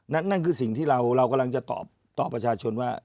นั่นคือสิ่งที่เรากำลังจะตอบประชาชนว่า